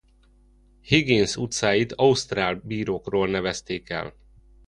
Higgins utcáit ausztrál bírókról nevezték el.